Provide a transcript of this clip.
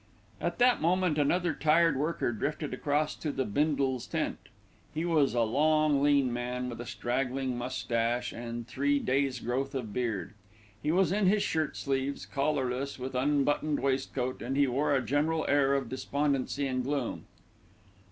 At that moment another "tired worker" drifted across to the Bindles' tent. He was a long, lean man with a straggling moustache and three days' growth of beard. He was in his shirt sleeves, collarless, with unbuttoned waistcoat, and he wore a general air of despondency and gloom.